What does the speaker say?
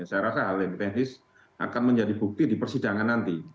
saya rasa hal yang teknis akan menjadi bukti di persidangan nanti